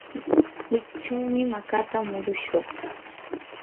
wikchawmi makata murushaq.